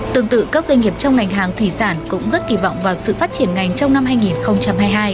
tương tự các doanh nghiệp trong ngành hàng thủy sản cũng rất kỳ vọng vào sự phát triển ngành trong năm hai nghìn hai mươi hai